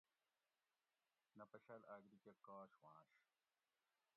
نہ پشاۤل آک دی کہ کاش وانش